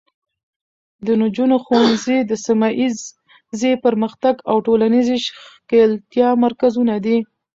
د نجونو ښوونځي د سیمه ایزې پرمختګ او ټولنیزې ښکیلتیا مرکزونه دي.